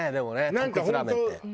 とんこつラーメンって。